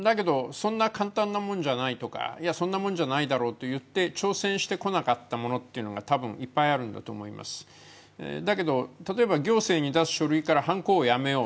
そんな簡単なもんじゃないとかいやそんなもんじゃないだろうと言って挑戦してこなかったものっていうのが多分いっぱいあるんだと思いますだけど例えば行政に出す書類からはんこを止めよう